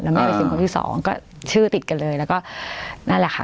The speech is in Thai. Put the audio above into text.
แม่ไปซิมคนที่สองก็ชื่อติดกันเลยแล้วก็นั่นแหละค่ะ